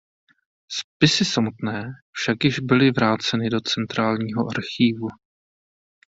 Spisy samotné však již byly vráceny do centrálního archívu.